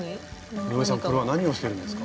井上さんこれは何をしてるんですか？